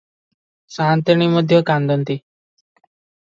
ସାଆନ୍ତାଣୀ ମଧ୍ୟ କାନ୍ଦନ୍ତି ।